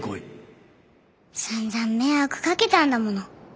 心の声さんざん迷惑かけたんだもの。